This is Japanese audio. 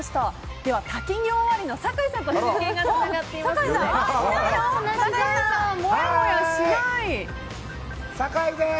では滝行終わりの酒井さんと中継がつながっています。